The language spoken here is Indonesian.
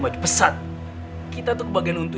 masih pesat kita tuh kebagian untung